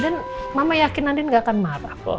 dan mama yakin andin gak akan marah